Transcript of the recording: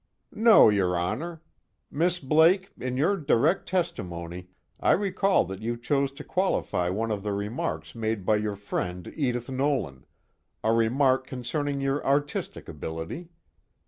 "No, your Honor. Miss Blake, in your direct testimony I recall that you chose to qualify one of the remarks made by your friend Edith Nolan, a remark concerning your artistic ability.